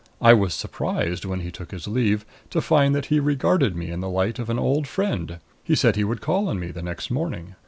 I was surprised, when he took his leave, to find that he regarded me in the light of an old friend. He said he would call on me the next morning.